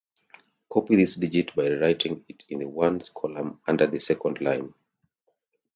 Copy this digit by rewriting it in the ones-column under the second line.